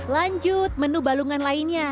lanjut menu balungan lainnya